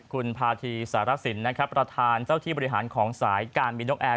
คุณพาธีสารสินนะครับประธานเจ้าที่บริหารของสายการบินนกแอร์